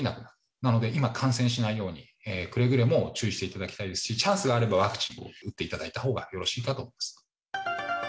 なので、今感染しないように、くれぐれも注意していただきたいですし、チャンスがあればワクチンを打っていただいたほうがよろしいかと思います。